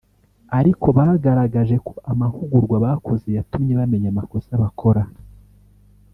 ariko bagaragaje ko amahugurwa bakoze yatumye bamenya amakosa bakora